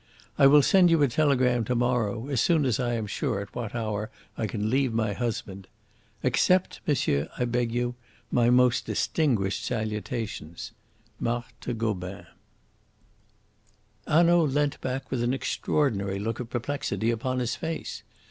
I will send you a telegram to morrow, as soon as I am sure at what hour I can leave my husband. Accept, monsieur, I beg you, my most distinguished salutations. "MARTHE GOBIN." Hanaud leant back with an extraordinary look of perplexity upon his face.